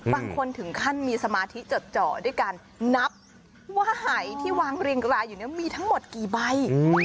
บางคนถึงขั้นมีสมาธิจดจ่อด้วยการนับว่าหายที่วางเรียงรายอยู่เนี่ยมีทั้งหมดกี่ใบ